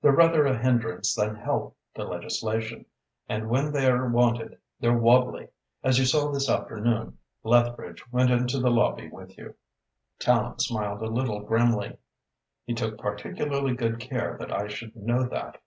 They're rather a hindrance than help to legislation, and when they're wanted they're wobbly, as you saw this afternoon. Lethbridge went into the lobby with you." Tallente smiled a little grimly. "He took particularly good care that I should know that."